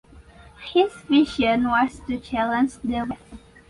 His vision was to challenge the west.